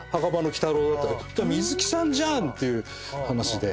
じゃあ水木さんじゃん！っていう話で。